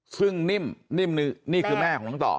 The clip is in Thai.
ซึ่งนิ่มนี่คือแม่ของน้องต่อ